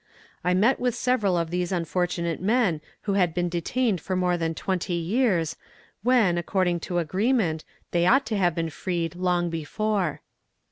I met with several of these unfortunate men who had been detained for more than twenty years, when, according to agreement, they ought to have been freed long before.